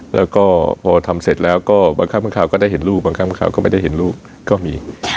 แล้วก็พอทำเสร็จแล้วก็บางครั้งบางข่าวก็ได้เห็นลูกบางครั้งบางข่าวก็ไม่ได้เห็นลูกก็มี